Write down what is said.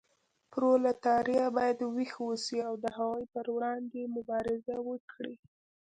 پرولتاریا باید ویښ اوسي او د هغوی پر وړاندې مبارزه وکړي.